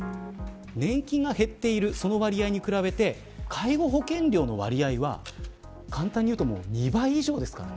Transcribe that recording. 年金が減っているその割合に比べて介護保険料の割合は簡単に言うと２倍以上ですからね。